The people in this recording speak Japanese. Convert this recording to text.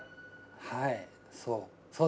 ・はいそう。